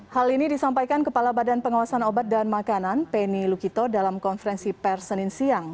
hal ini disampaikan kepala badan pengawasan obat dan makanan penny lukito dalam konferensi per senin siang